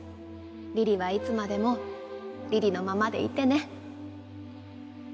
梨々はいつまでも梨々のままでいてね。